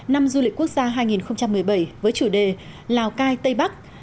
năm du lịch quốc gia hai nghìn một mươi bảy với chủ đề lào cai tây bắc